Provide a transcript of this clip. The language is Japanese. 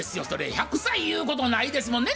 １００歳ゆうことないですもんね？